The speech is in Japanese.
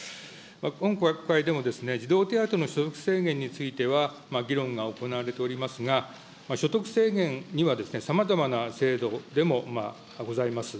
今国会でも児童手当の所得制限については、議論が行われておりますが、所得制限にはですね、さまざまな制度でもございます。